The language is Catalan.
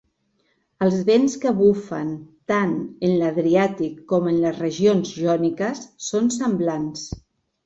Els vents que bufen tan en l'Adriàtic com en les regions jòniques són semblants.